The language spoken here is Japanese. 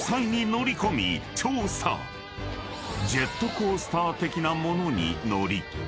［ジェットコースター的な物に乗り］